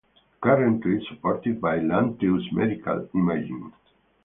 Currently supported by Lantheus Medical Imaging.